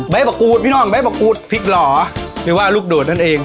มะกูดพี่น้องใบมะกรูดพริกหล่อหรือว่าลูกโดดนั่นเอง